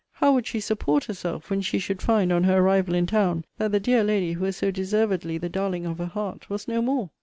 How would she support herself, when she should find, on her arrival in town, that the dear lady, who was so deservedly the darling of her heart, was no more!